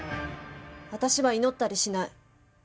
私は祈ったりしない。